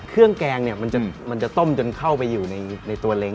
แกงเนี่ยมันจะต้มจนเข้าไปอยู่ในตัวเล็ง